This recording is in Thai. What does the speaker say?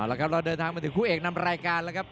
แล้วครับเราเดินทางมาถึงคู่เอกนำรายการแล้วครับ